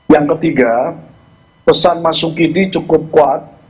yang ketiga pesan mas sukidi cukup kuat